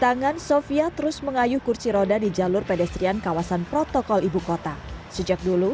tangan sofia terus mengayuh kursi roda di jalur pedestrian kawasan protokol ibu kota sejak dulu